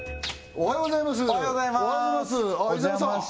おはようございます伊沢さん